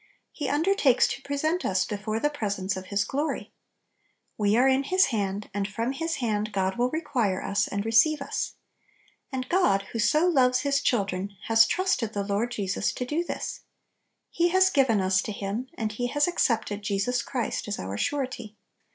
He undertakes to present us before the presence of Hia glory. We are in His hand, and from Little Pillows. 8i His hand God will require us and re 1 ceive us. And God, who so loves His children, has trusted the Lord Jesus to do this. He has given us to Him, and He has accepted Jesus Christ as our Surety.